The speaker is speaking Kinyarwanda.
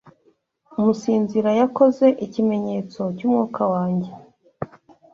Umusinzira Yakoze Ikimenyetso Cyumwuka Wanjye